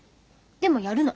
でもやるの。